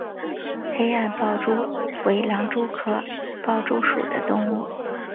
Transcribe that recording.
黑暗豹蛛为狼蛛科豹蛛属的动物。